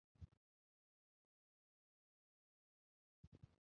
وَأَنِ اعْبُدُونِي هَذَا صِرَاطٌ مُسْتَقِيمٌ